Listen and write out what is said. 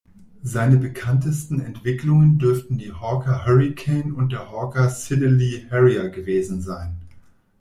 Seine bekanntesten Entwicklungen dürften die Hawker Hurricane und der Hawker Siddeley Harrier gewesen sein.